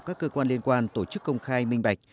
các cơ quan liên quan tổ chức công khai minh bạch